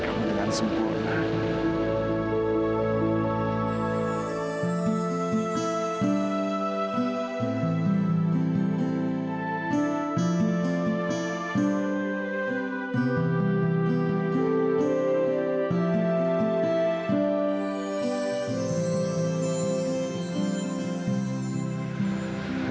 kamu dengan semangat